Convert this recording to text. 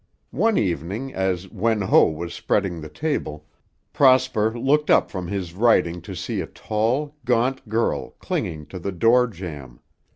One evening as Wen Ho was spreading the table, Prosper looked up from his writing to see a tall, gaunt girl clinging to the door jamb.